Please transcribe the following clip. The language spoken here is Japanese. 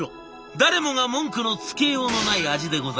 誰もが文句のつけようのない味でございました。